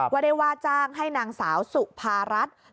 วรรดิวาจ้างให้นางสาวสุภารัช